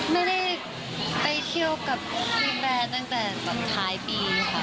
ไม่ได้ไปเที่ยวกับพี่แบรนด์ตั้งแต่ท้ายปีค่ะ